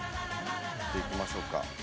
じゃあいきましょうか。